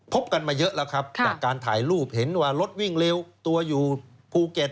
พบกันมาเยอะแล้วครับจากการถ่ายรูปเห็นว่ารถวิ่งเร็วตัวอยู่ภูเก็ต